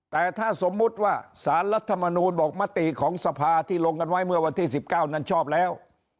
แต่ถ้าสมมุติว่าสารรัฐมนูลบอกมติของสภาที่ลงกันไว้เมื่อวันที่๑๙นั้นชอบแล้ว